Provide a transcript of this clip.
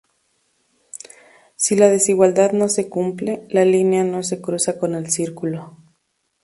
Si la desigualdad no se cumple, la línea no se cruza con el círculo.